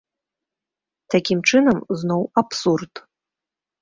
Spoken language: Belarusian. Такім чынам, зноў абсурд!